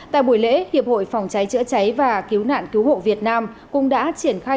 tại buổi lễ hiệp hội phòng cháy chữa cháy và cứu nạn cứu hộ việt nam cũng đã triển khai